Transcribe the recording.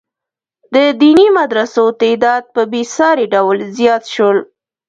د دیني مدرسو تعداد په بې ساري ډول زیات شو.